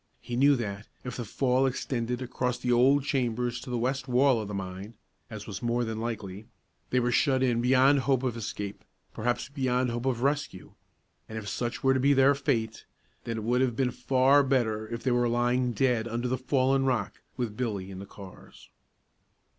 He knew that, if the fall extended across the old chambers to the west wall of the mine, as was more than likely, they were shut in beyond hope of escape, perhaps beyond hope of rescue; and if such were to be their fate, then it would have been far better if they were lying dead under the fallen rock, with Billy and the cars.